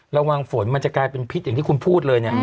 ระวังฝนมันจะกลายเป็นพิษอย่างที่คุณพูดเลยเนี่ย